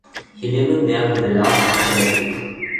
He laboured there for the last months of that year.